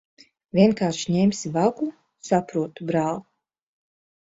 Vienkārši ņemsi vagu? Saprotu, brāl'.